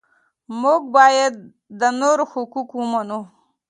موږ باید د نورو حقوق ومنو.